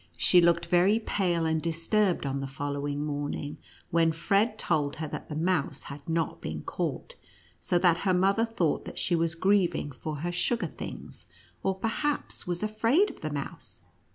She looked very pale and disturbed on the following morning, when Fred told her that the mouse had not been caught, so that her mother thought that she was grieving for her sugar things, or perhaps was afraid of the mouse.